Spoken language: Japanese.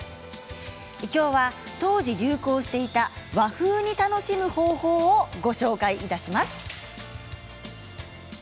きょうは当時流行していた和風に楽しむ方法をご紹介します。